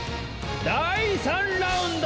だい３ラウンド！